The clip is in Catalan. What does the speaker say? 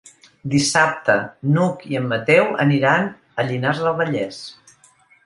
Dissabte n'Hug i en Mateu aniran a Llinars del Vallès.